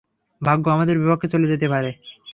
ভাগ্য আমাদের বিপক্ষে চলে যেতে পারে।